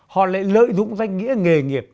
họ lại lợi dụng danh nghĩa nghề nghiệp